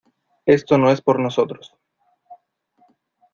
esto no es por nosotros